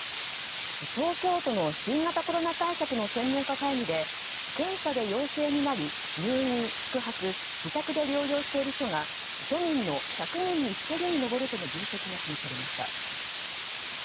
東京都の新型コロナ対策の専門家会議で検査で陽性になり、入院、宿泊自宅で療養している人が都民の１００人に１人に上るとの分析が示されました。